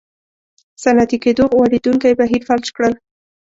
صنعتي کېدو غوړېدونکی بهیر فلج کړل.